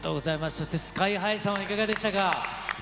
そして、ＳＫＹーＨＩさん、いかがでしたか。